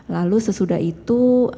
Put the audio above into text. lalu sesudah itu